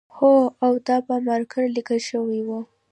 هو او دا په مارکر لیکل شوی و